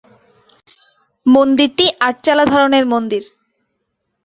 মন্দিরটি ‘আট-চালা’ ধরনের মন্দির।